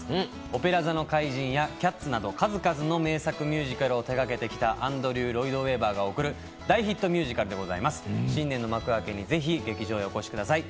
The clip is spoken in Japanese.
「オペラ座の怪人」や「キャッツ」など数々の名作を手掛けてきたアンドリュー・ロイド・ウェバーが贈る大ヒットミュージカルでございます、新年の幕開けにぜひ劇場へお越しください。